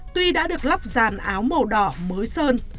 tuy đã được lắp ràn áo màu đỏ mới sơn